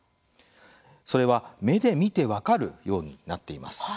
それは、目で見て分かるようになっています。